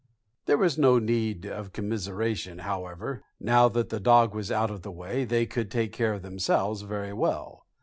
There was no need of commiseration, however; now that the dog was out of the way they could take care of themselves very well.